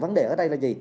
vấn đề ở đây là gì